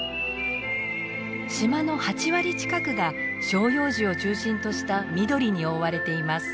島の８割近くが照葉樹を中心とした緑に覆われています。